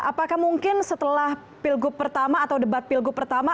apakah mungkin setelah pilgub pertama atau debat pilgub pertama